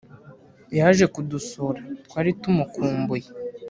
Yaje kudusura twari tumukumbuye